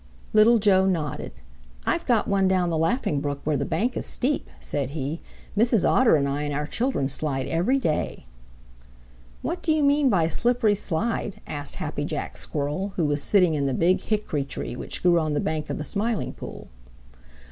Little Joe nodded. "I've got one down the Laughing Brook where the bank is steep," said he. "Mrs. Otter and I and our children slide every day." "What do you mean by a slippery slide?" asked Happy Jack Squirrel, who was sitting in the Big Hickory tree which grew on the bank of the Smiling Pool.